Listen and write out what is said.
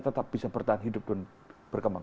tetap bisa bertahan hidup dan berkembang